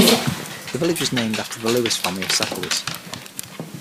The village was named for the Lewis family of settlers.